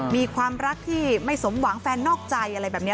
มีความรักที่ไม่สมหวังแฟนนอกใจอะไรแบบนี้